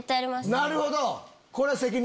なるほど！